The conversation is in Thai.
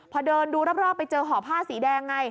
พอเดินดูรอบไปเจอห่อผ้าสีแดงไง